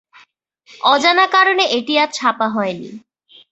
অজানা কারণে এটি আর ছাপা হয়নি।